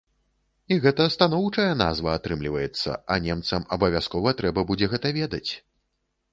І гэта станоўчая назва атрымліваецца, а немцам абавязкова трэба будзе гэта ведаць.